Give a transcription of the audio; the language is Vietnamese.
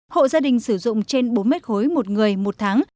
hộ gia đình sử dụng trên bốn mét khối một người một tháng